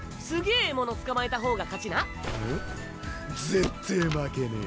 ぜってぇ負けねぇ。